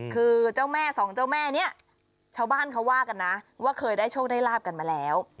คือเจ้าแม่สองเจ้าแม่นี้ชาวบ้านเขาว่ากันนะว่าเคยได้โชคได้ลาบกันมาแล้ว